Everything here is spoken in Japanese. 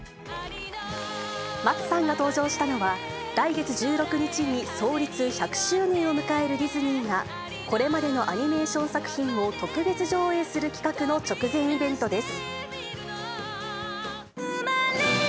松さんが登場したのは、来月１６日に創立１００周年を迎えるディズニーが、これまでのアニメーション作品を特別上映する企画の直前イベントです。